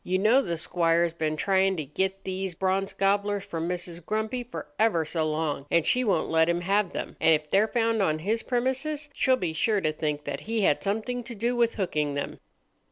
You know, the squire's been trying to get these Bronze Gobblers from Mrs. Grumpy for ever so long, and she won't let him have them; and if they're found on his premises, she'll be sure to think that he had something to do with hooking them."